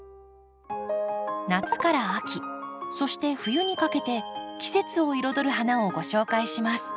夏から秋そして冬にかけて季節を彩る花をご紹介します。